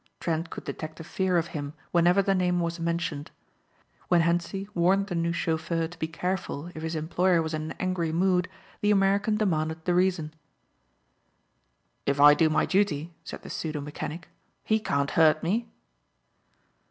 Trent could detect a fear of him whenever the name was mentioned. When Hentzi warned the new chauffeur to be careful if his employer was in an angry mood the American demanded the reason. "If I do my duty," said the pseudo mechanic, "he can't hurt me."